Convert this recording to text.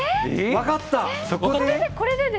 わかった！